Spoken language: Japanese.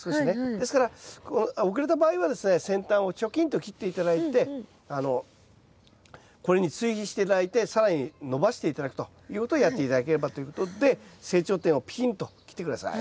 ですから遅れた場合はですね先端をチョキンと切って頂いてこれに追肥して頂いて更に伸ばして頂くということをやって頂ければということで成長点をピキンと切って下さい。